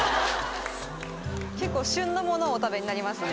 結構旬のものをお食べになりますね。